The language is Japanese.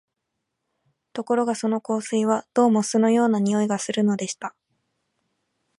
ところがその香水は、どうも酢のような匂いがするのでした